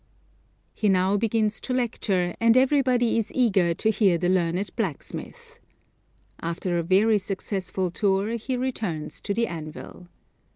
He now begins to lecture, and everybody is eager to hear the learned blacksmith. After a very successful tour he returns to the anvil.